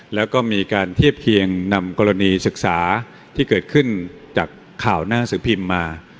แล้วก็มีการเทียบเคียงนำกรณีศึกษาที่เกิดขึ้นจากข่าวหน้าสือพิมพ์มา